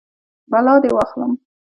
بلا دې واخلم.